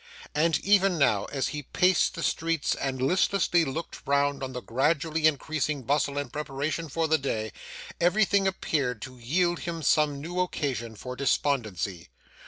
And, even now, as he paced the streets, and listlessly looked round on the gradually increasing bustle and preparation for the day, everything appeared to yield him some new occasion for despondency.